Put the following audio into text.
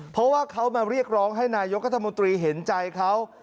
เพราะว่าเขามาเรียกร้องให้นายกรัฐมนตรีเห็นใจเขา